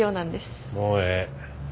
もうええ。